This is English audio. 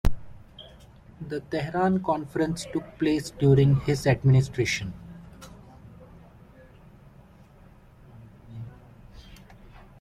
The Tehran Conference took place during his administration.